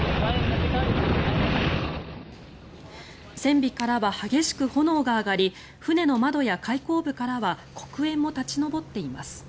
船尾からは激しく炎が上がり船の窓や開口部からは黒煙も立ち上っています。